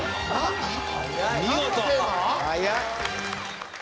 見事。